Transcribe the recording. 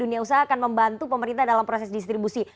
dunia usaha akan membantu pemerintah dalam proses distribusi